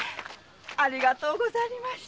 ありがとうござりました。